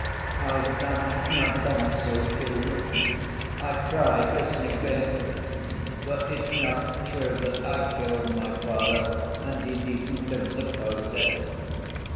I thank my counsel, too. I cried listening to him; but it's not true that I killed my father, and he needn't have supposed it.